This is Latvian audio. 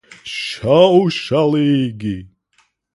Šaušalīgi.